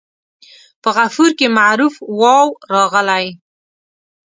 په غفور کې معروف واو راغلی.